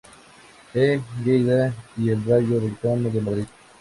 E. Lleida y el Rayo Vallecano de Madrid.